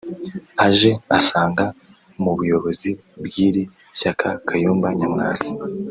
Aje asanga mu buyobozi bw’iri shyaka Kayumba Nyamwasa